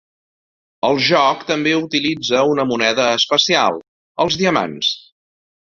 El joc també utilitza una moneda especial: els diamants.